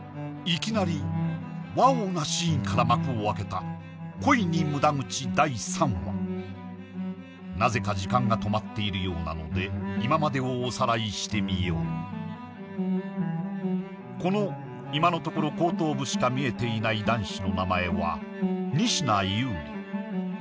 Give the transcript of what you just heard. いきなりワオなシーンから幕を開けた恋に無駄口第３話なぜか時間が止まっているようなので今までをおさらいしてみようこの今のところ後頭部しか見えていない男子の名前は仁科悠里